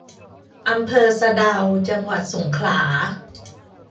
อำเภอสะเดา จังหวัดสงขลา